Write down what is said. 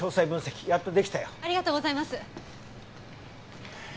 ありがとうございます。